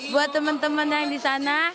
buat teman teman yang di sana